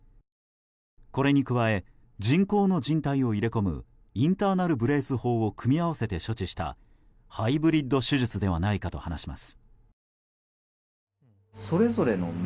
これに加え人工のじん帯を入れ込むインターナル・ブレイス法を組み合わせて処置したハイブリッド手術ではないかと話します。